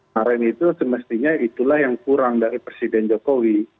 kemarin itu semestinya itulah yang kurang dari presiden jokowi